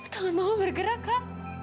tangan mama bergerak kak